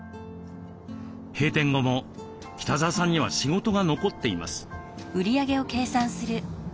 閉店後も北澤さんには仕事が残っています。